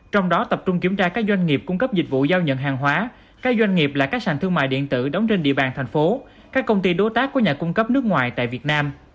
trong đó tập trung kiểm tra các doanh nghiệp cung cấp dịch vụ giao nhận hàng hóa các doanh nghiệp là các sàn thương mại điện tử đóng trên địa bàn thành phố các công ty đối tác có nhà cung cấp nước ngoài tại việt nam